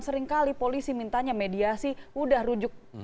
seringkali polisi mintanya mediasi udah rujuk